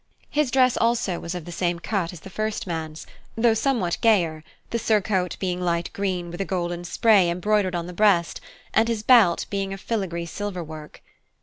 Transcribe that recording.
His dress also was of the same cut as the first man's, though somewhat gayer, the surcoat being light green with a golden spray embroidered on the breast, and his belt being of filagree silver work.